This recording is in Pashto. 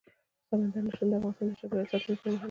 سمندر نه شتون د افغانستان د چاپیریال ساتنې لپاره مهم دي.